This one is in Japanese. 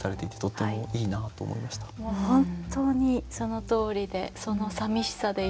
本当にそのとおりでそのさみしさでいっぱいで。